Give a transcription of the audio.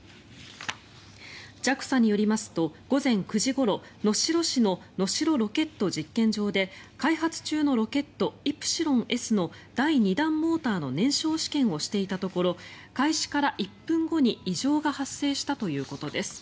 ＪＡＸＡによりますと午前９時ごろ能代市の能代ロケット実験場で開発中のロケットイプシロンＳの第２段モーターの燃焼試験をしていたところ開始から１分後に異常が発生したということです。